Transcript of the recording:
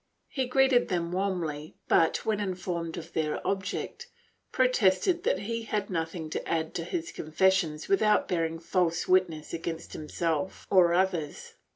He greeted them warmly but, when informed of their object, protested that he had nothing to add to his confessions without bearing false witness against himself or others.